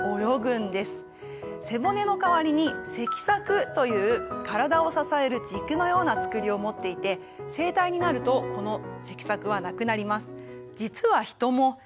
背骨の代わりに脊索という体を支える軸のようなつくりを持っていて成体になるとこの脊索はなくなります。